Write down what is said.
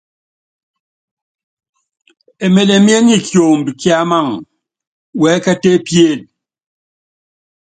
Emelemié nyɛ kiombi ki Amaŋ wɛɛ́kɛ́t epíén.